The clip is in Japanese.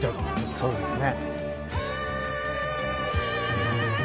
そうですね。